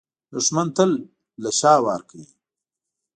دښمن تل له شا وار کوي